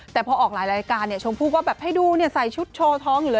แต่พอออกหลายรายการเนี่ยชมพู่ก็แบบให้ดูใส่ชุดโชว์ท้องอยู่เลย